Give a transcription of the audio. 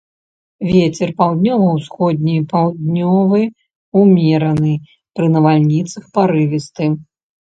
Вецер паўднёва-ўсходні, паўднёвы ўмераны, пры навальніцах парывісты.